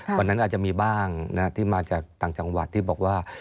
อาจจะมีบ้างที่มาจากต่างจังหวัดที่บอกว่า